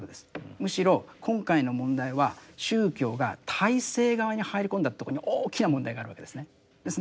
むしろ今回の問題は宗教が体制側に入り込んだとこに大きな問題があるわけですね。